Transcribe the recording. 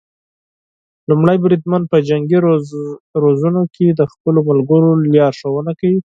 لومړی بریدمن په جنګي روزنو کې د خپلو ملګرو لارښونه کوي.